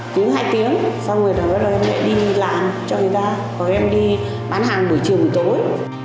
cứ hai tiếng xong rồi đó em lại đi làm cho người ta có em đi bán hàng buổi chiều buổi tối